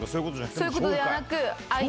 そういうことではなく。